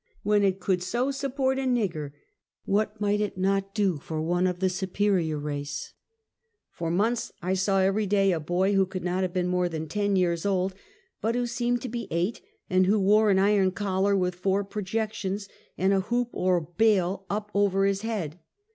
When it could so support a nigger, what might it not do for one of the superior race ? For months I saw every day a boy who could not liave been more than ten years old, but who seemed to be eight, and who wore an iron collar with four pro jections, and a hoop or bail up over his head.